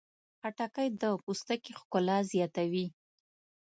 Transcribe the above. خټکی د پوستکي ښکلا زیاتوي.